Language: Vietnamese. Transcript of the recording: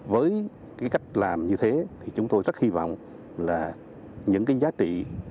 với cách làm như thế chúng tôi rất hy vọng là những giá trị